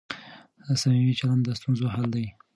صميمي چلند د ستونزو حل دی.